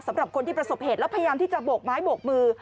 สำหรับคนที่ประสบเหตุแล้วพยายามที่จะโบกไม้โบกมือ